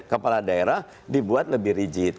kepala daerah dibuat lebih rigid